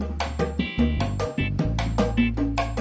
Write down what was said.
udah mau gempa